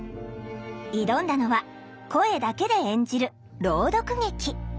挑んだのは声だけで演じる朗読劇。